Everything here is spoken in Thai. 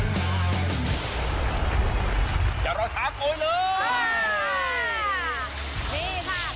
มา๑๐บาทลุ้นกว่าได้ลุ้นมากกว่า๑บาท